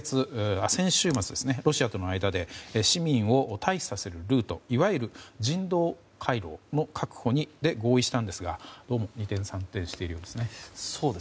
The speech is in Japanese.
先週末ロシアとの間で市民を避難させるルートいわゆる人道回廊の確保で合意したんですが、どうも二転三転しているようですね。